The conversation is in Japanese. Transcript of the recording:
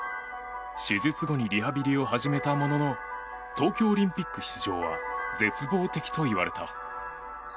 手術後にリハビリを始めたものの東京オリンピック出場は絶望的といわれた。